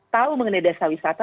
tahu mengenai desa wisata